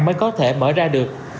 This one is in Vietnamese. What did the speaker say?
mới có thể mở ra được